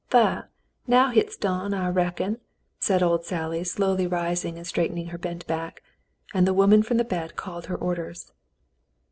"Thar, now hit's done, I reckon," said old Sally, slowly rising and straightening her bent back; and the woman from the bed called her orders.